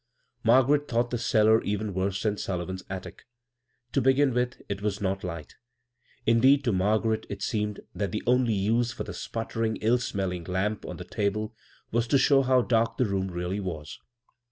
Margaret thought the cellar even worse than Sullivan's attic. To begin with, it wa« not light; indeed, to Margaret it seemed that the only use for the sputtering, ill smell ing lamp on the table was to show how darlc the room realty was.